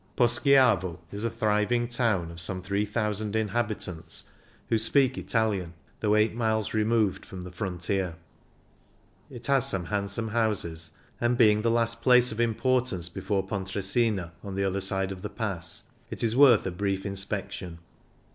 Poschiavo is a thriving town of some three thousand inhabitants, who speak Italian, though eight miles removed from the frontier. It has some handsome houses, and being the last place of import ance before Pontresina, on the other side of the pass, it is worth a brief inspection.